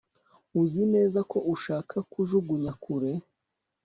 uzi neza ko ushaka kujugunya kure